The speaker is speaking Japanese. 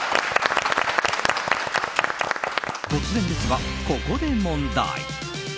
突然ですが、ここで問題。